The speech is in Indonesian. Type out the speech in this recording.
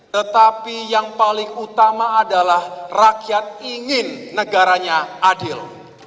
tetapi yang paling utama adalah rakyat ingin negaranya adil